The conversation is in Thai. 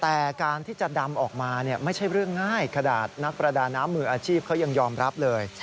แต่การที่จะดำออกมาไม่ใช่เรื่องง่ายขนาดนักประดาน้ำมืออาชีพเขายังยอมรับเลย